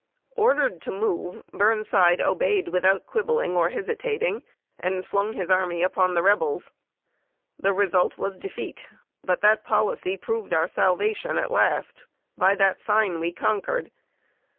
Ordered to move, Burnside obeyed without quibbling or hesitating, and flung his army upon the Rebels. The result was defeat; but that policy proved our salvation at last; by that sign we conquered.